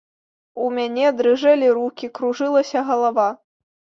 У мяне дрыжэлі рукі, кружылася галава.